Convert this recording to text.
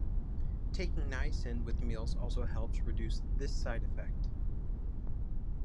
Taking niacin with meals also helps reduce this side effect.